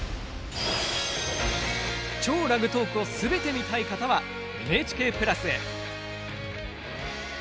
＃超ラグトークをすべて見たい方はＮＨＫプラスへ。